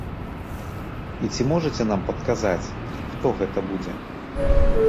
І ці можаце нам падказаць, хто гэта будзе?